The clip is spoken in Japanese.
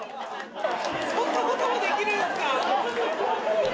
そんなこともできるんですか！